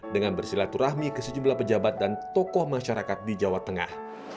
dengan bersilaturahmi ke sejumlah pejabat dan tokoh masyarakat di jawa tengah